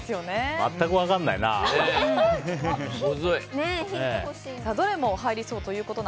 全く分からないな。